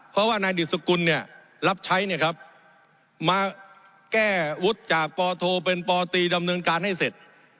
เพราะว่านายดิสกุลเนี่ยรับใช้เนี่ยครับมาแก้วุฒิจากปโทเป็นปตีดำเนินการให้เสร็จ